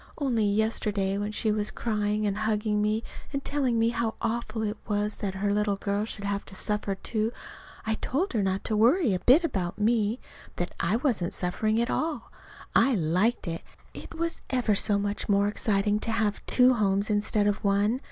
Only yesterday, when she was crying and hugging me, and telling me how awful it was that her little girl should have to suffer, too, I told her not to worry a bit about me; that I wasn't suffering at all. I liked it. It was ever so much more exciting to have two homes instead of one.